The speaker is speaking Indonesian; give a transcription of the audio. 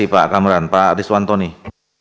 assalamu alaikum warahmatullahi wabarakatuh